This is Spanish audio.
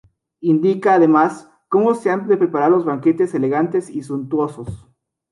Indica además como se han de preparar los banquetes elegantes y suntuosos.